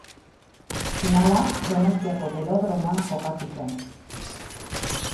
Finala Donostiako Belodromoan jokatu zen.